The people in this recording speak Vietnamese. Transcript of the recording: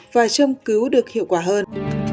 và châm cứu được hiệu quả hơn